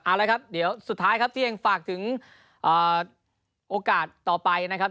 เอาละครับเดี๋ยวสุดท้ายครับที่เองฝากถึงโอกาสต่อไปนะครับ